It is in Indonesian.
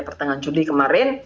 pertengahan juli kemarin